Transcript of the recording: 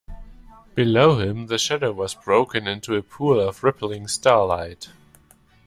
Below him the shadow was broken into a pool of rippling starlight.